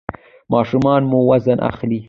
ماشوم مو وزن اخلي؟